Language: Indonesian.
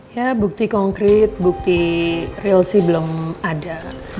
ya bukti konkret bukti real sih belum ada